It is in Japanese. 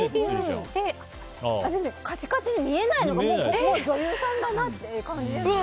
カチカチに見えないのが女優さんだなっていう感じですね。